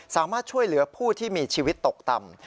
สามารถช่วยเหลือผู้ที่มีชีวิตตกต่ำ